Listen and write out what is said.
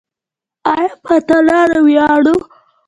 آیا په اتلانو ویاړو؟